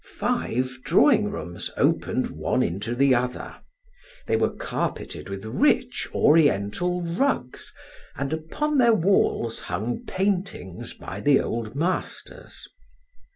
Five drawing rooms opened one into the other; they were carpeted with rich, oriental rugs, and upon their walls hung paintings by the old masters.